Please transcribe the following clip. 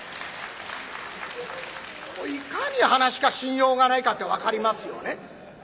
いかに噺家信用がないかって分かりますよね。